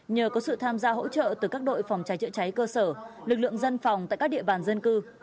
nhờ có sự tham gia hỗ trợ từ các đội phòng cháy chữa cháy cơ sở lực lượng dân phòng tại các địa bàn dân cư